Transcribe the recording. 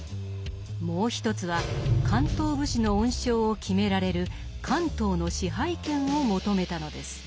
もう一つは関東武士の恩賞を決められる関東の支配権を求めたのです。